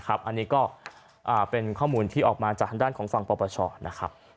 อันนี้ก็เป็นข้อมูลที่ออกมาจากทางด้านของฝั่งปปชนะครับ